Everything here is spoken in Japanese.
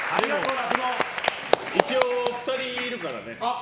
一応２人いるからね。